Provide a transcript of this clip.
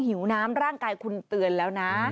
หิวน้ำร่างกายคุณเตือนแล้วนะ